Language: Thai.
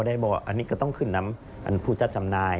ได้บอกอันนี้ก็ต้องขึ้นนำผู้จัดจำนาย